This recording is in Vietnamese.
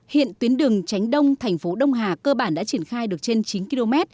hiện tuyến đường tránh đông thành phố đông hà cơ bản đã triển khai được trên chín km